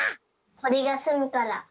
とりがすむから。